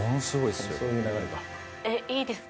いいですか？